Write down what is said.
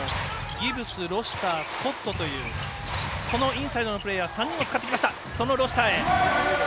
ギブス、ロシタースコットという、インサイドのプレーヤー３人を使ってきました。